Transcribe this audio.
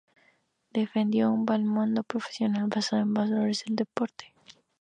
Defendió un balonmano no profesional, basado en los valores del deporte.